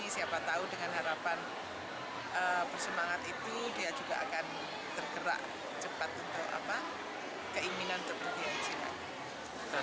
siapa tahu dengan harapan bersemangat itu dia juga akan tergerak cepat untuk keinginan terpergian